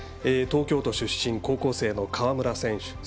東京都出身高校生の川村選手。